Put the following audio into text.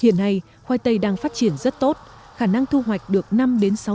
hiện nay khoai tây đang phát triển rất tốt khả năng thu hoạch được năm đến sáu tấn trên một hectare